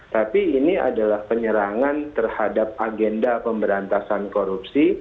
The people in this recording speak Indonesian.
tapi ini adalah penyerangan terhadap agenda pemberantasan korupsi